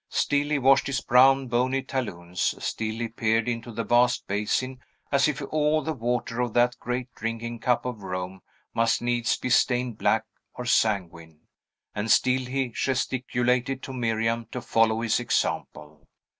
Still he washed his brown, bony talons; still he peered into the vast basin, as if all the water of that great drinking cup of Rome must needs be stained black or sanguine; and still he gesticulated to Miriam to follow his example.